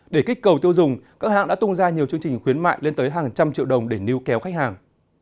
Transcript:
để kích cầu tiêu dùng các hãng đã tung ra nhiều chương trình khuyến mại lên tới hàng trăm triệu đồng để nưu kéo khách hàng